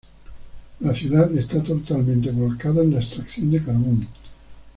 La ciudad está totalmente volcada en la extracción de carbón.